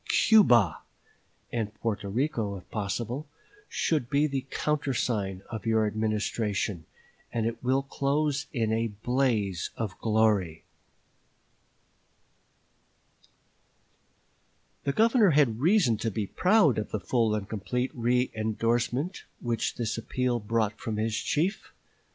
Cuba! (and Porto Rico, if possible) should be the countersign of your Administration, and it will close in a blaze of glory." The Governor had reason to be proud of the full and complete reëndorsement which this appeal brought from his chief.